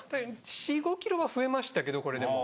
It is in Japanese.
４５ｋｇは増えましたけどこれでも。